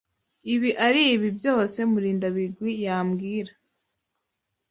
Ibi aribi byose Murindabigwi yambwira.